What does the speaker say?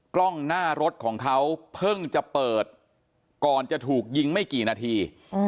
กล้องหน้ารถของเขาเพิ่งจะเปิดก่อนจะถูกยิงไม่กี่นาที